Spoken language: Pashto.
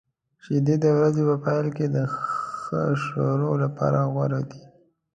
شیدې د ورځې په پیل کې د ښه شروع لپاره غوره دي.